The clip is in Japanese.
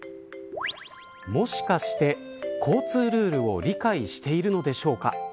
もしかして交通ルールを理解しているのでしょうか。